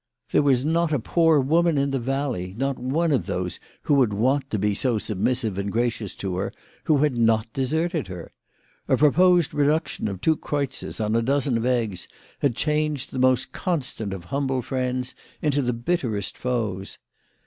There was not a poor woman in the valley, not one of those who had wont to be so submissive and gracious to her, who had not deserted her. A proposed reduction of two kreutzers on a dozen of eggs had changed the most constant of humble friends into the bitterest foes.